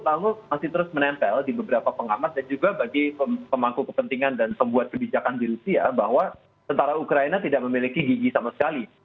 tahu masih terus menempel di beberapa pengamat dan juga bagi pemangku kepentingan dan pembuat kebijakan di rusia bahwa tentara ukraina tidak memiliki gigi sama sekali